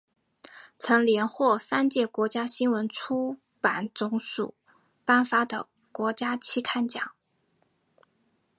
曾连获三届国家新闻出版总署颁发的国家期刊奖。